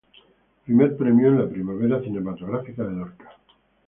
Primer Premio en la Primavera Cinematográfica de Lorca.